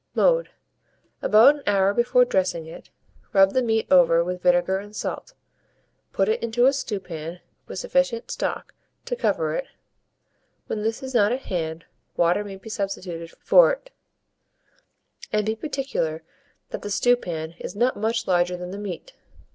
Mode. About an hour before dressing it, rub the meat over with vinegar and salt; put it into a stewpan, with sufficient stock to cover it (when this is not at hand, water may be substituted for it), and be particular that the stewpan is not much larger than the meat.